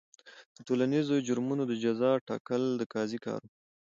د ټولنیزو جرمونو د جزا ټاکل د قاضي کار و.